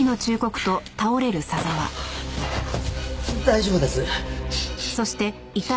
大丈夫です。